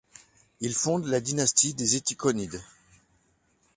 Il fonde la dynastie des Étichonides.